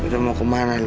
udah mau kemana lo